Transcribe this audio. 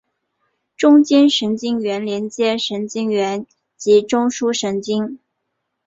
中间神经元连接神经元及中枢神经。